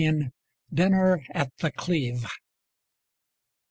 DINNER AT THE CLEEVE.